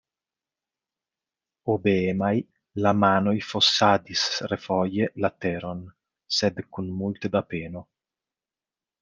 Obeemaj, la manoj fosadis refoje la teron, sed kun multe da peno.